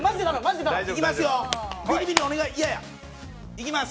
いきます！